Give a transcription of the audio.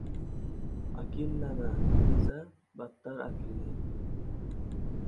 Akillama, desa, battar akillaydi!